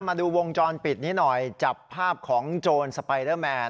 มาดูวงจรปิดนี้หน่อยจับภาพของโจรสไปเดอร์แมน